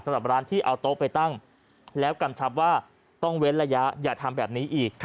สำหรับร้านที่เอาโต๊ะไปตั้งแล้วกำชับว่าต้องเว้นระยะอย่าทำแบบนี้อีก